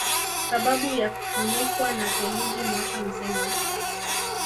Sababu ya kufunikwa na theluji mwaka mzima